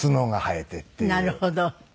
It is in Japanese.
なるほど。